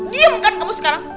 diemkan kamu sekarang